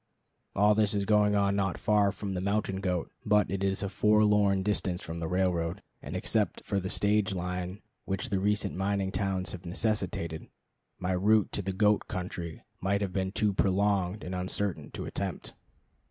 All this is going on not far from the mountain goat, but it is a forlorn distance from the railroad; and except for the stage line which the recent mining towns have necessitated, my route to the goat country might have been too prolonged and uncertain to attempt.